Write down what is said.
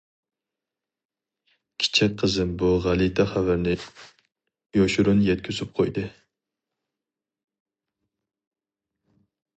كىچىك قىزىم بۇ غەلىتە خەۋەرنى يوشۇرۇن يەتكۈزۈپ قويدى.